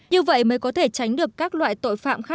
như vậy mới có thể tránh được các loại tội phạm khác